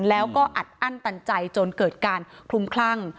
แล้วก็อัดอั้นตันใจจนเกิดการคลุมคลั่ง